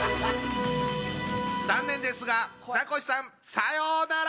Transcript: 残念ですがザコシさんさようなら！